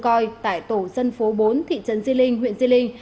coi tại tổ dân phố bốn thị trấn xê linh huyện xê linh